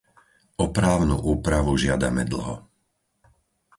O právnu úpravu žiadame dlho.